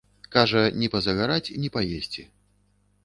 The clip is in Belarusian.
Кажа, ні пазагараць, ні паесці.